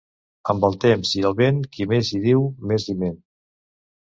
Amb el temps i el vent, qui més hi diu, més hi ment.